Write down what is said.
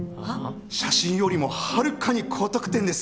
写真よりもはるかに高得点です！